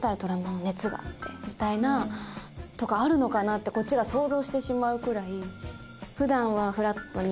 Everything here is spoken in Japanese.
あるのかな？ってこっちが想像してしまうくらい。